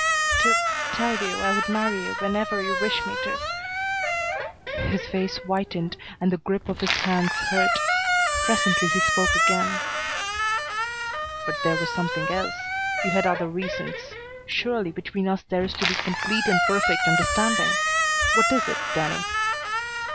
"To tell you I would marry you whenever you wish me to " His face whitened and the grip of his hands hurt. Presently he spoke again. "But there was something else. You had other reasons. Surely between us there is to be complete and perfect understanding. What is it, Danny?"